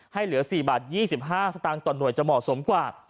เหลือ๔บาท๒๕สตางค์ต่อหน่วยจะเหมาะสมกว่า